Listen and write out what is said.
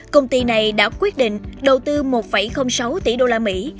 công ty này đã quyết định đầu tư một sáu tỷ usd để xây dựng nhà máy phát triển